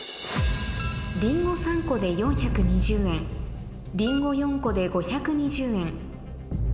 りんご３個で４２０円りんご４個で５２０円